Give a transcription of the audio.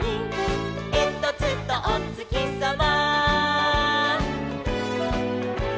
「えんとつとおつきさま」